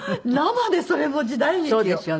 生でそれも時代劇を。